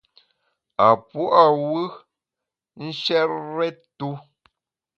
A pua’ wù nshèt rèt-tu.